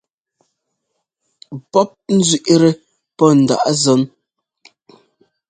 Pɔ́p nzẅíꞌtɛ pɔ́ ndaꞌ zɔ́n.